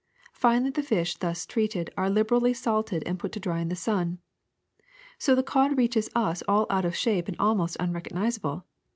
Finally, the fish thus treated are liberally salted and put to dry in the sun. So the cod reaches us all out of shape and almost unrecognizable.